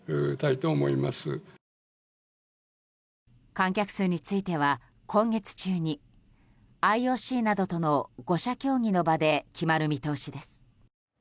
観客数については今月中にＩＯＣなどとの５者協議の場で決まる見通しです。